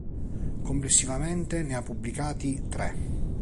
Complessivamente ne ha pubblicati tre.